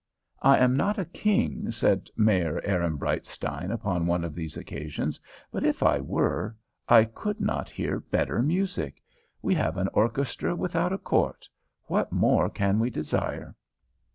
"I am not a king," said Mayor Ehrenbreitstein upon one of these occasions; "but if I were, I could not hear better music. We have an orchestra without a court. What more can we desire?"